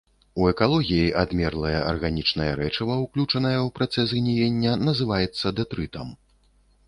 У экалогіі адмерлае арганічнае рэчыва, уключанае ў працэс гніення, называецца дэтрытам.